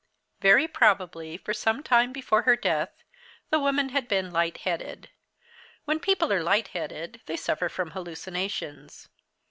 Very probably for some time before her death, the woman had been light headed. When people are light headed they suffer from hallucinations.